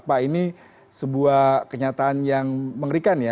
pak ini sebuah kenyataan yang mengerikan ya